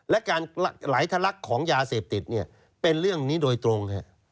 และการไหลทะลักของยาเสพติดเป็นเรื่องนี้โดยตรง